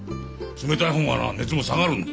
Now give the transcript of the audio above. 冷たい方がな熱も下がるんだ。